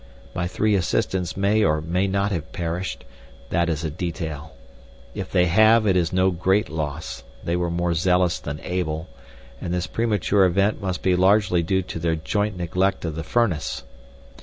My three assistants may or may not have perished. That is a detail. If they have, it is no great loss; they were more zealous than able, and this premature event must be largely due to their joint neglect of the furnace.